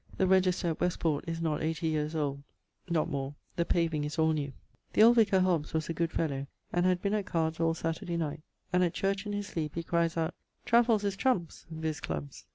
The register at Westport is not 80 yeares old (not more): the paving is all new. The old vicar Hobs was a good fellow and had been at cards all Saturday night, and at church in his sleep he cries out 'Trafells is troumps' (viz. clubs).